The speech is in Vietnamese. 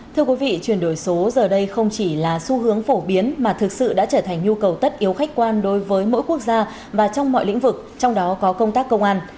thưa quý vị chuyển đổi số giờ đây không chỉ là xu hướng phổ biến mà thực sự đã trở thành nhu cầu tất yếu khách quan đối với mỗi quốc gia và trong mọi lĩnh vực trong đó có công tác công an